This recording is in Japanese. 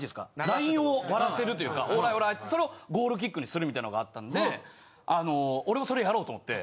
ラインを割らせるというかそれをゴールキックにするみたいのがあったんで俺もそれやろうと思って。